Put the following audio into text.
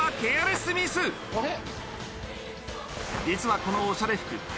実はこのおしゃれ服。